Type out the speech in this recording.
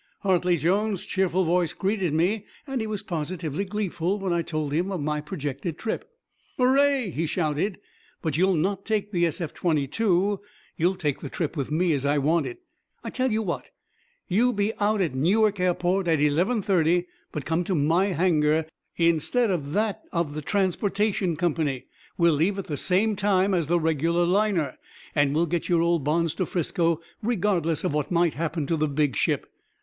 Hartley Jones' cheerful voice greeted me and he was positively gleeful when I told him of my projected trip. "Hooray!" he shouted. "But you'll not take the SF 22. You'll take the trip with me as I wanted. I tell you what: You be out at Newark Airport at eleven thirty, but come to my hangar instead of to that of the transportation company. We'll leave at the same time as the regular liner, and we'll get your old bonds to Frisco, regardless of what might happen to the big ship.